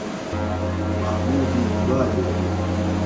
محمودی گُبا جولوۡ ؟